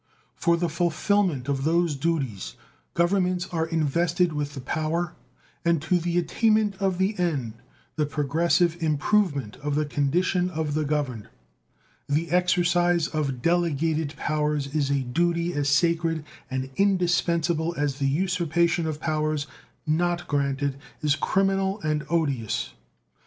For the fulfillment of those duties governments are invested with power, and to the attainment of the end the progressive improvement of the condition of the governed the exercise of delegated powers is a duty as sacred and indispensable as the usurpation of powers not granted is criminal and odious.